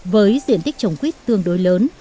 với diện tích trồng quýt tương đối lớn